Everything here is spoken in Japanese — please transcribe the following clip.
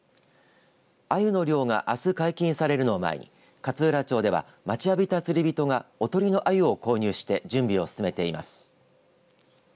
アユの漁があす解禁されるのを前に勝浦町では待ちわびた釣り人がおとりのアユを購入して準備を進めています。